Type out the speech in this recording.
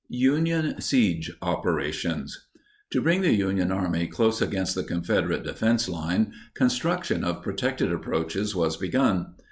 UNION SIEGE OPERATIONS. To bring the Union Army close against the Confederate defense line, construction of protected approaches was begun.